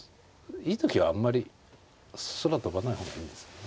いい時はあんまり空飛ばない方がいいですからね。